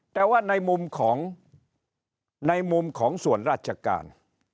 แต่ว่าในมุมของส่วนราชการ